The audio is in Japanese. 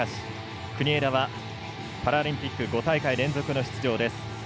国枝はパラリンピック５大会の出場です。